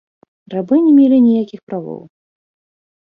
Рабы не мелі ніякіх правоў.